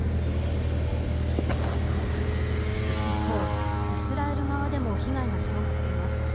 一方、イスラエル側でも被害が広がっています。